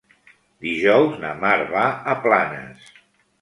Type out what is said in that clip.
Dijous na Mar va a Planes.